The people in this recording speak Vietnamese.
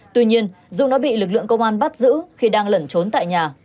tuy nhiên dung đã bị lực lượng công an bắt giữ khi đang lẩn trốn tại nhà